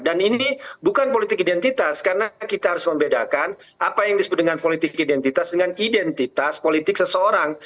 dan ini bukan politik identitas karena kita harus membedakan apa yang disebut dengan politik identitas dengan identitas politik seseorang